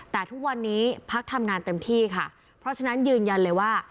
แต่ทุกวันนี้พักทำงานเต็มที่ค่ะเพราะฉะนั้นยืนยันเลยว่า